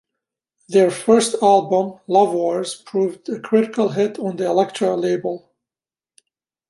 Their first album "Love Wars" proved a critical hit on the Elektra label.